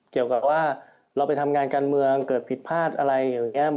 เกี่ยวกับว่าเราไปทำงานการเมืองเกิดผิดพลาดอะไรอย่างนี้